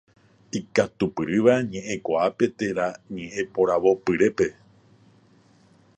Ikatupyrýva ñeʼẽtekuaápe térã ñeʼẽporavopyrépe.